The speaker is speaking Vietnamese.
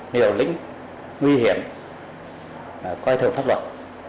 nhiều lĩnh nguy hiểm coi thường pháp luật